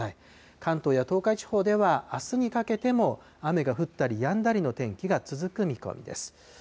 関東や東海地方では、あすにかけても雨が降ったりやんだりの天気が続く見込みです。